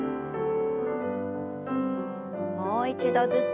もう一度ずつ。